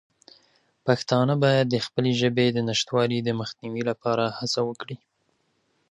پښتانه باید د خپلې ژبې د نشتوالي د مخنیوي لپاره هڅه وکړي.